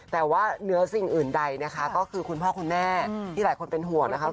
แต่ว่าเนื้อสิ่งอื่นใดนะคะก็คือคุณพ่อคุณแม่ที่หลายคนเป็นห่วงนะคะ